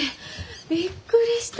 びっくりした。